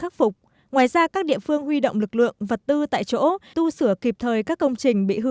khắc phục ngoài ra các địa phương huy động lực lượng vật tư tại chỗ tu sửa kịp thời các công trình bị hư